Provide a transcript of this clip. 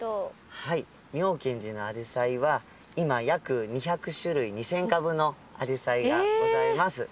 はい妙顕寺のアジサイは今約２００種類２，０００株のアジサイがございます。